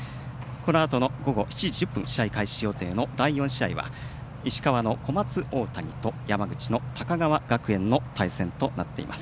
このあとの午後７時１０分試合開始予定の第４試合は、石川の小松大谷と山口の高川学園の対戦となっています。